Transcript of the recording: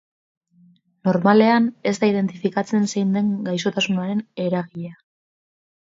Normalean, ez da identifikatzen zein den gaixotasunaren eragilea.